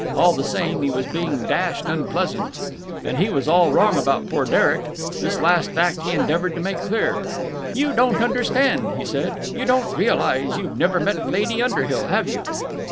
All the same, he was being dashed unpleasant. And he was all wrong about poor Derek. This last fact he endeavoured to make clear. "You don't understand," he said. "You don't realize. You've never met Lady Underhill, have you?"